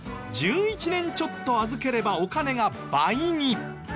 １１年ちょっと預ければお金が倍に。